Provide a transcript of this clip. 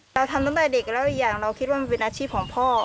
เราทำตั้งแต่เด็กแล้วอีกอย่างเราคิดว่ามันเป็นอาชีพของพ่อ